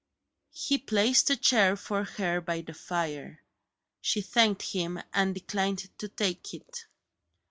He placed a chair for her by the fire. She thanked him and declined to take it.